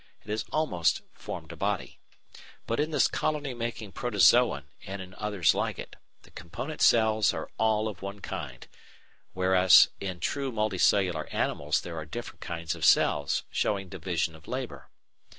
It has almost formed a body! But in this "colony making" Protozoon, and in others like it, the component cells are all of one kind, whereas in true multicellular animals there are different kinds of cells, showing division of labour.